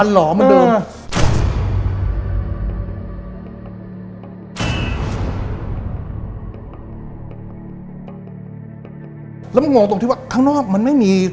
แล้วมันงงตรงที่ว่าข้างนอกมันไม่มี